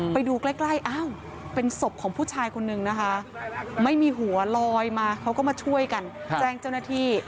ไปดูใกล้อ้าวเป็นศพของผู้ชายคนนึงนะคะไม่มีหัวลอยมาเขาก็มาช่วยกันแจ้งเจ้าหน้าที่